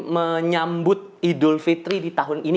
menyambut idul fitri di tahun ini